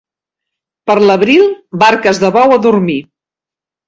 Per l'abril, barques de bou a dormir.